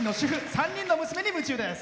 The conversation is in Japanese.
３人の娘に夢中です。